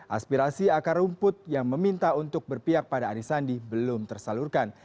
aspirasi akar rumput yang meminta untuk berpihak pada anisandi belum tersalurkan